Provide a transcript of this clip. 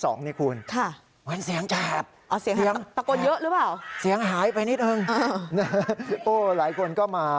โอ้หลายคนก็มา